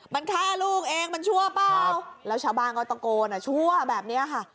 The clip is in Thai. มันฆ่าลูกเองมันชั่วเปล่าแล้วชาวบ้านก็ตะโกนอ่ะชั่วแบบนี้ค่ะ